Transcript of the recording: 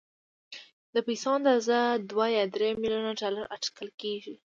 د پيسو اندازه دوه يا درې ميليونه ډالر اټکل کېږي.